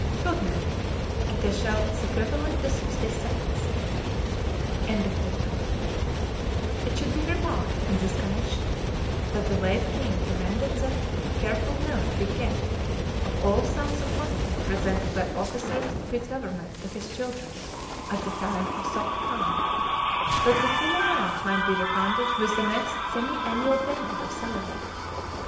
[Footnote: A tical is equivalent to sixty cents.] It should be remarked in this connection, that the late king commanded that careful note be kept of all sums of money presented by officers of his government to his children at the time of Soh Khan, that the full amount might be refunded with the next semi annual payment of salary.